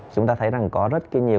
chúng ta thấy rằng có rất là nhiều